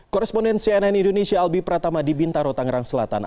korrespondensi nn indonesia albi pratama di bintaro tangerang selatan